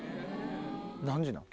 何時なん？